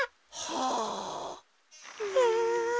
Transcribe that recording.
はあ。